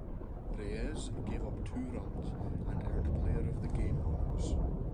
Reyes gave up two runs and earned player of the game honors.